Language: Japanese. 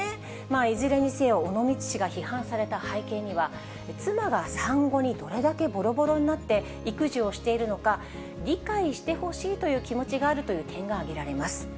いずれにせよ、尾道市が批判された背景には、妻が産後にどれだけぼろぼろになって育児をしているのか、理解してほしいという気持ちがあるという点が挙げられます。